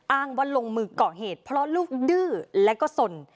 อ้างว่าลงมือก่อเหตุเพราะลูกดื้อและก็สน